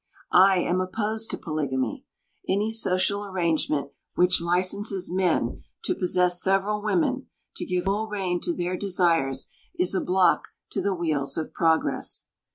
I am opposed to polygamy. Any social arrangement which licenses men to possess several women, to give full rein to their desires, is a block to the wheels of progress.